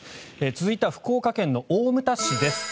続いては福岡県大牟田市です。